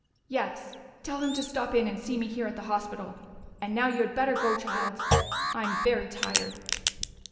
"Yes, tell him to stop in to see me here at the hospital.... And now you had better go, child.... I'm very tired."